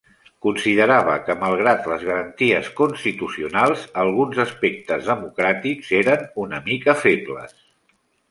Considerava que, malgrat les garanties constitucionals, alguns aspectes democràtics eren una mica febles.